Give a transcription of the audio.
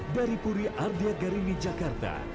dari puri ardiagarini jakarta